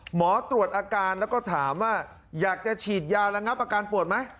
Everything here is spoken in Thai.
หมอตรวจอาการแล้วก็ถามว่าอยากจะฉีดยาระงับอาการปวดไหม